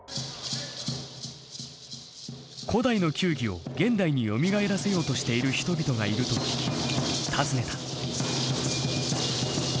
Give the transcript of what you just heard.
古代の球技を現代によみがえらせようとしている人々がいると聞き訪ねた。